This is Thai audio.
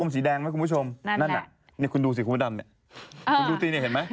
มันสีแดงไหมคุณผู้ชมนั่นแหละคุณดูสิคุณผู้ดำเนี่ยคุณดูตีนเนี่ยเห็นไหม